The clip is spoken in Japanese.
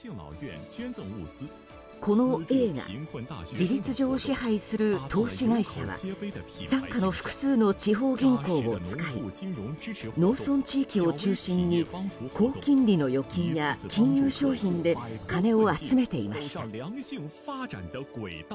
このＡが事実上支配する投資会社は傘下の複数の地方銀行を使い農村地域を中心に高金利の預金や金融商品で金を集めていました。